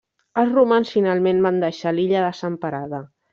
Els romans finalment van deixar l'illa desemparada.